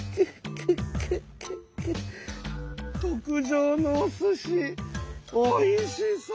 特上のおすしおいしそう！